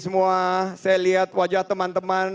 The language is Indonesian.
semua saya lihat wajah teman teman